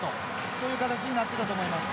そういう形になっていたと思います。